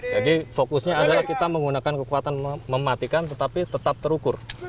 jadi fokusnya adalah kita menggunakan kekuatan mematikan tetapi tetap terukur